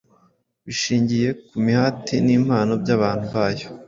bishingiye ku mihati n’impano by’abantu bayo.